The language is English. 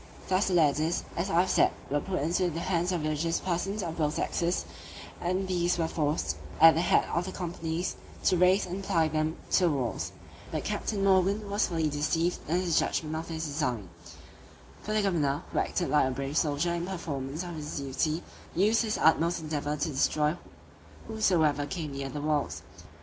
Thus the ladders, as I have said, were put into the hands of religious persons of both sexes, and these were forced, at the head of the companies, to raise and apply them to the walls: but Captain Morgan was fully deceived in his judgment of this design; for the governor, who acted like a brave soldier in performance of his duty, used his utmost endeavour to destroy whosoever came near the walls.